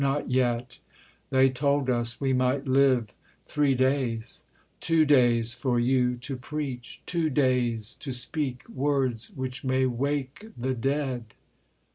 Not yet they told us we might live three days ... Two days for you to preach! Two days to speak Words which may wake the dead!